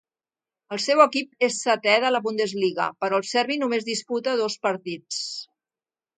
El seu equip és seté de la Bundesliga, però el serbi només disputa dos partits.